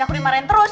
aku dimarahin terus